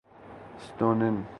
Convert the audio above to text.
Estonian